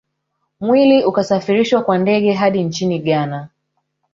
Mwili ukasafirishwa kwa ndege hadi nchini Ghana